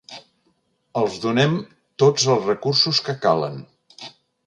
Els donem tots els recursos que calen.